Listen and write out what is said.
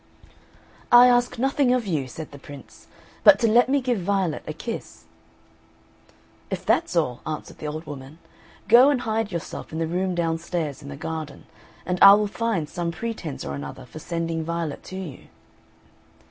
"I ask nothing of you," said the Prince, "but to let me give Violet a kiss." "If that's all," answered the old woman, "go and hide yourself in the room downstairs in the garden, and I will find some pretence or another for sending Violet to you."